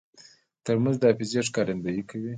ترموز د حافظې ښکارندویي کوي.